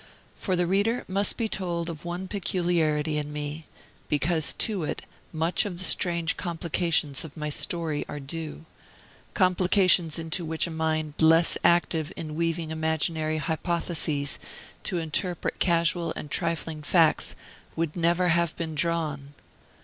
For the reader must be told of one peculiarity in me, because to it much of the strange complications of my story are due; complications into which a mind less active in weaving imaginary hypotheses to interpret casual and trifling facts would never have been drawn.